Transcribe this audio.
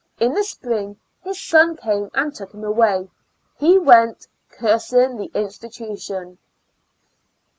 In the spring his son came and took him away: he went cursing the institution.